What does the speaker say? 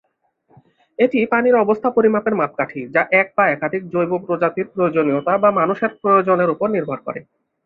এটি পানির অবস্থা পরিমাপের মাপকাঠি যা এক বা একাধিক জৈব প্রজাতির প্রয়োজনীয়তা বা মানুষের প্রয়োজনের উপর নির্ভর করে।